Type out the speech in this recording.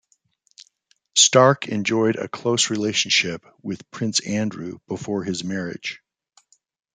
Stark enjoyed a close relationship with Prince Andrew before his marriage.